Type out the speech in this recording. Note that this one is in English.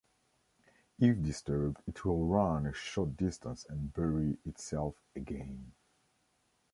If disturbed, it will run a short distance and bury itself again.